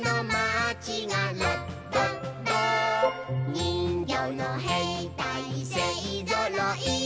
「にんぎょうのへいたいせいぞろい」